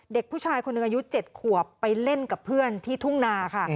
เด็กผู้ชายคนหนึ่งอายุ๗ขวบไปเล่นกับเพื่อนที่ทุ่งนาค่ะ